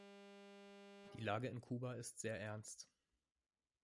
Die Lage in Kuba ist sehr ernst.